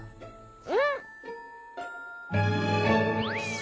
うん！